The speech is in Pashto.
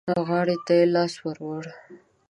غاړې ته يې لاس ور ووړ.